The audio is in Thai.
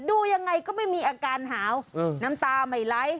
ดูยังไงก็ไม่มีอาการหาวน้ำตาไม่ไหล